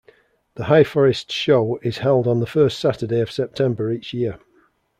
The Highforest Show is held on the first Saturday of September each year.